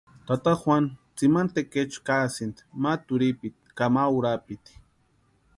Tata Juanu tsimani tekechu kaasïnti ma turhipiti k ama urapiti.